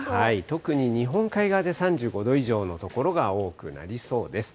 特に日本海側で３５度以上の所が多くなりそうです。